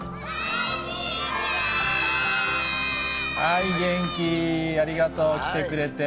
はい、元気、ありがとう、来てくれて。